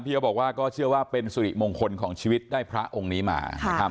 เขาบอกว่าก็เชื่อว่าเป็นสุริมงคลของชีวิตได้พระองค์นี้มานะครับ